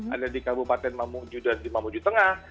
ada di kabupaten mamuju dan di mamuju tengah